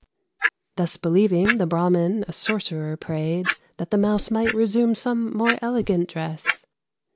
Thus believing, the Brahmin a sorcerer prayed That the Mouse might resume some more elegant dress.